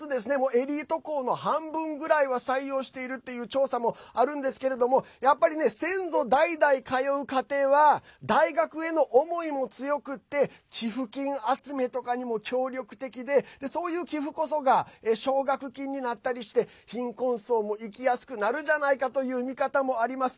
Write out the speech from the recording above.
エリート工の半分ぐらいは採用しているっていう調査もあるんですけど先祖代々通う家庭は大学への思いも強くって寄付金集めとかにも協力的でそういう寄付こそが奨学金になったりして貧困層も行きやすくなるじゃないかという見方もあります。